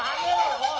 おい。